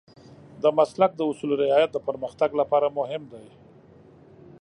د مسلک د اصولو رعایت د پرمختګ لپاره مهم دی.